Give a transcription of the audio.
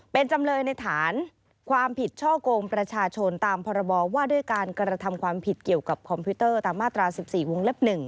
เป็นจำเลยในฐานความผิดช่อกงประชาชนตามพรบว่าด้วยการกระทำความผิดเกี่ยวกับคอมพิวเตอร์ตามมาตรา๑๔วงเล็บ๑